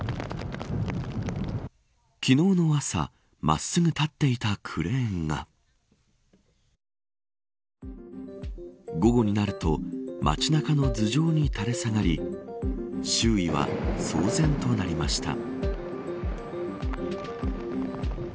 昨日の朝、真っすぐ立っていたクレーンが午後になると街中の頭上に垂れ下がり周囲は騒然となりました。